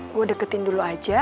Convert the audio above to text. gue deketin dulu aja